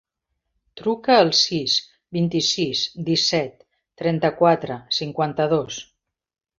Truca al sis, vint-i-sis, disset, trenta-quatre, cinquanta-dos.